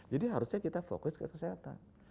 harusnya kita fokus ke kesehatan